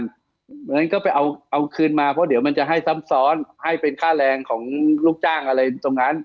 เพราะฉะนั้นก็ไปเอาคืนมาเพราะเดี๋ยวมันจะให้ซ้ำซ้อนให้เป็นค่าแรงของลูกจ้างอะไรตรงนั้น